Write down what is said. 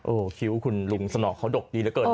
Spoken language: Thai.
โอ้หิ้วคุณลุงสนอกเขาดกดีเรื่องนั้น